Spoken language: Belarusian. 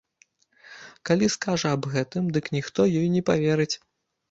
Калі скажа аб гэтым, дык ніхто ёй не паверыць.